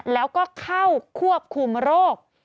แล้วก็เข้าควบคุมโรค